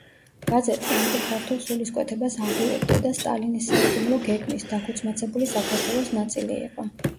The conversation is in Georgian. გაზეთი ანტიქართულ სულისკვეთებას აღვივებდა და სტალინის საიდუმლო გეგმის, „დაქუცმაცებული საქართველოს“ ნაწილი იყო.